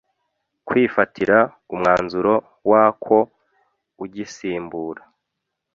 Kwifatira umwanzuro wako ugisimbura